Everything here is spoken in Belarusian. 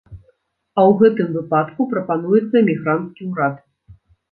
А ў гэтым выпадку прапануецца эмігранцкі ўрад.